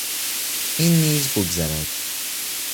این نیز بگذرد.